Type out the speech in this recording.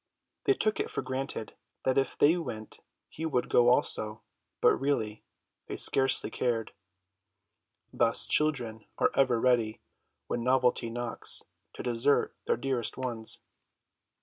They took it for granted that if they went he would go also, but really they scarcely cared. Thus children are ever ready, when novelty knocks, to desert their dearest ones.